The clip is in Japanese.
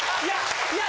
いや！